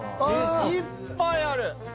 いっぱいある。